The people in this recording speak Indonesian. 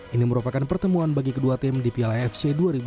ini merupakan pertemuan bagi kedua tim di piala afc dua ribu delapan belas